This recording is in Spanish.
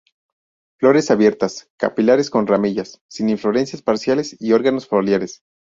Flores abiertas, capilares con ramillas, sin inflorescencias parciales y órganos foliares.